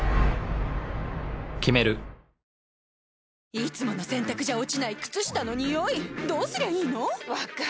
いつもの洗たくじゃ落ちない靴下のニオイどうすりゃいいの⁉分かる。